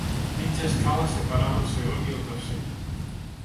Mitja escala separava el segon i el tercer.